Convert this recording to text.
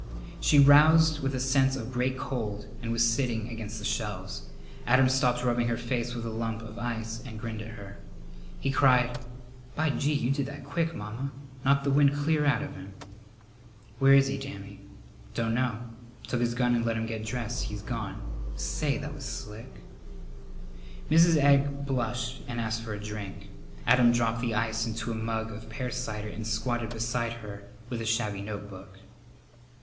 She roused with a sense of great cold and was sitting against the shelves. Adam stopped rubbing her face with a lump of ice and grinned at her. He cried, "By gee, you did that quick, Mamma! Knocked the wind clear out of him." "Where is he, Dammy?" "Dunno. Took his gun and let him get dressed. He's gone. Say, that was slick!" Mrs. Egg blushed and asked for a drink. Adam dropped the ice into a mug of pear cider and squatted beside her with a shabby notebook.